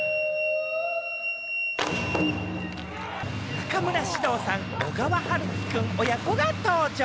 中村獅童さん・小川陽喜くん親子が登場。